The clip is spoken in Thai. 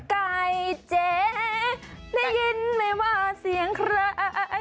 ไก่เจ๊ได้ยินไหมว่าเสียงใคร